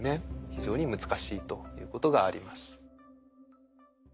非常に難しいということがあります。